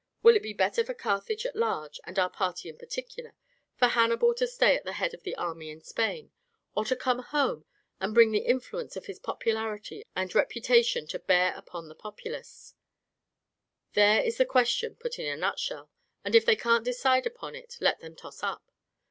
Will it be better for Carthage at large, and our party in particular, for Hannibal to stay at the head of the army in Spain, or to come home and bring the influence of his popularity and reputation to bear upon the populace? There is the question put in a nutshell, and if they can't decide upon it let them toss up.